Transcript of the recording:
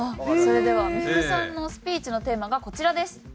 それでは三福さんのスピーチのテーマがこちらです。